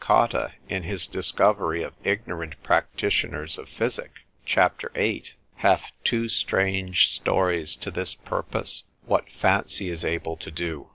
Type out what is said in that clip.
Cotta in his discovery of ignorant practitioners of physic, cap. 8, hath two strange stories to this purpose, what fancy is able to do.